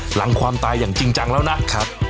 หลังความตายอย่างจริงจังแล้วนะครับ